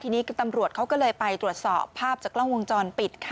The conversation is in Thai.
ทีนี้ตำรวจเขาก็เลยไปตรวจสอบภาพจากกล้องวงจรปิดค่ะ